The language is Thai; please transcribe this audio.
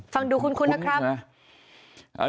ฟังดูคุ้นนะครับ